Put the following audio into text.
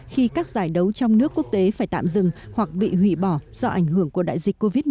khi các giải đấu trong nước quốc tế phải tạm dừng hoặc bị hủy bỏ do ảnh hưởng của đại dịch covid một mươi